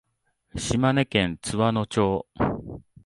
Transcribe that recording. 島根県津和野町